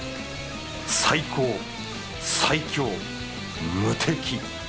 最高最強無敵。